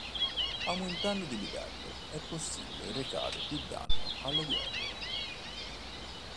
Aumentando di livello è possibile recare più danno alle guerre.